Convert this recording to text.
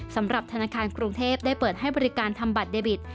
สำหรับธนาคารกรุงเทพได้เปิดให้บริการทำบัตรเดบิต